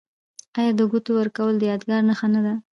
آیا د ګوتې ورکول د یادګار نښه نه ده؟